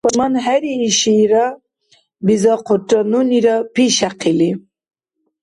— ПашманхӀериишира? — бизахъурра нунира, пишяхъили.